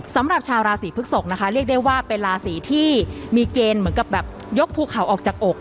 สำหรับชาวราศีพฤกษกนะคะเรียกได้ว่าเป็นราศีที่มีเกณฑ์เหมือนกับแบบยกภูเขาออกจากอก